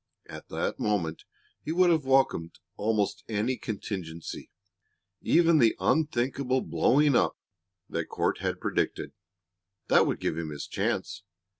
At that moment he would have welcomed almost any contingency even the unthinkable "blowing up" that Court had predicted that would give him his chance.